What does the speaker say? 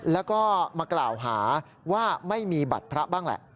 แล้วก็มากล่าวหาว่าไม่มีบัตรพระบ้างแหละ